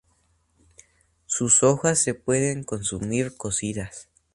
Sus hojas se pueden consumir cocidas.